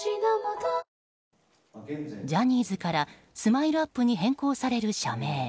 ジャニーズからＳＭＩＬＥ‐ＵＰ．に変更される社名。